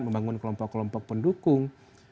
membangun kelompok kelompok pendukung